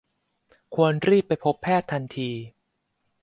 ควรรีบไปพบแพทย์ทันที